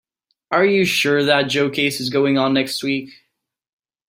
Are you sure that Joe case is going on next week?